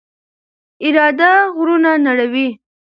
اراده غرونه نړوي.